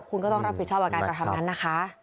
คุณก็ต้องรับผิดชอบกับการกระทำนั้นนะคะ